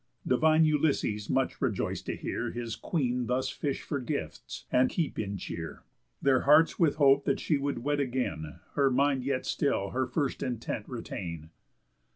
_ Divine Ulysses much rejoic'd to hear His Queen thus fish for gifts, and keep in cheer. Their hearts with hope that she would wed again, Her mind yet still her first intent retain.